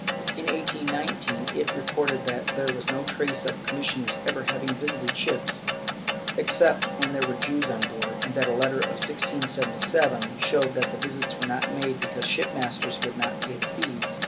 In 1819 it reported that there was no trace of commissioners ever having visited ships, except when there were Jews on board, and that a letter of 1677 showed that visits were not made because shipmasters would not pay the fees.'